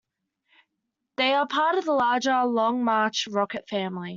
They are part of the larger Long March -rocket family.